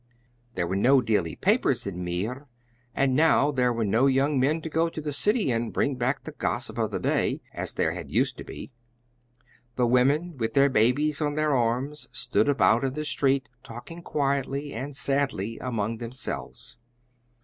There were no daily papers in Meer, and now there were no young men to go to the city and bring back the gossip of the day, as there had used to be. The women, with their babies on their arms, stood about in the street, talking quietly and sadly among themselves.